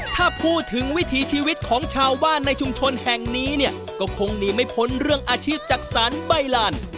ถ้าพูดถึงวิถีชีวิตของชาวบ้านในชุมชนแห่งนี้เนี่ยก็คงหนีไม่พ้นเรื่องอาชีพจักษานใบลาน